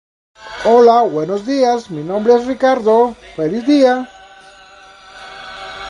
Falleció más tarde en el hospital "Dr.